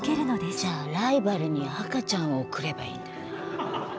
じゃあライバルには赤ちゃんを送ればいいんだ。